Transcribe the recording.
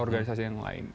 organisasi yang lain